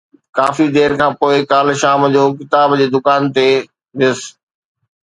ڪافي دير کان پوءِ ڪالهه شام جو ڪتاب جي دڪان تي ويس